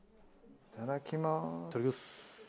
いただきます。